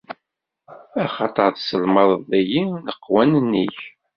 Axaṭer tesselmadeḍ-iyi leqwanen-ik.